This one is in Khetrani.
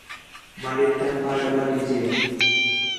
مالک تنخواہ ڈبل ݙیسے